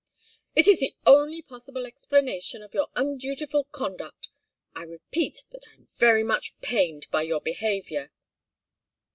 "It's the only possible explanation of your undutiful conduct. I repeat that I'm very much pained by your behaviour."